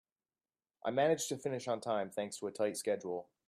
I managed to finish on time thanks to a tight schedule.